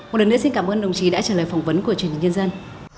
một lần nữa xin cảm ơn đồng chí đã trả lời phỏng vấn của truyền hình nhân dân